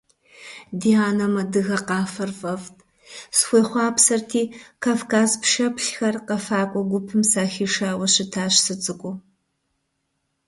Ди анэм адыгэ къафэр фӀэфӀт, схуехъуапсэрти, «Кавказ пшэплъхэр» къэфакӀуэ гупым сахишауэ щытащ сыцӀыкӀуу.